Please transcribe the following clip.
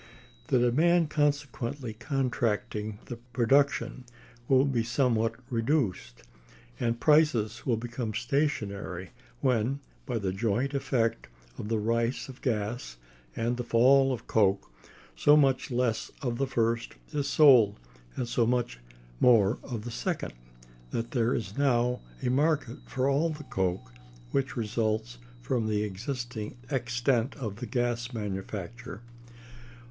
The demand consequently contracting, the production will be somewhat reduced; and prices will become stationary when, by the joint effect of the rise of gas and the fall of coke, so much less of the first is sold, and so much more of the second, that there is now a market for all the coke which results from the existing extent of the gas manufacture.